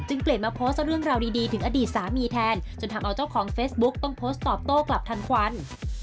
เปลี่ยนมาโพสต์เรื่องราวดีถึงอดีตสามีแทนจนทำเอาเจ้าของเฟซบุ๊กต้องโพสต์ตอบโต้กลับทันควัน